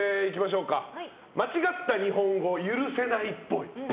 間違った日本語許せないっぽい。